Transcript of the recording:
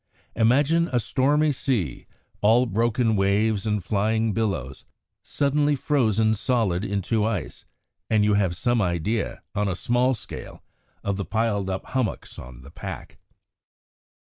"Imagine a stormy sea, all broken waves and flying billows, suddenly frozen solid into ice, and you have some idea, on a small scale, of the piled up hummocks on the pack."